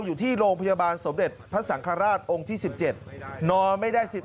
อยู่ที่โรงพยาบาลสมเด็จพระสังฆราชองค์ที่๑๗นอนไม่ได้๑๑